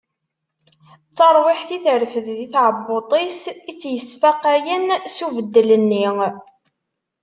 D tarwiḥt i terfed di tɛebbuṭ-is i tt-yesfaqayen s ubeddel-nni.